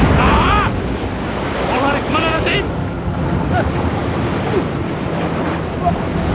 tuhan kenapa tuhan mengejar saya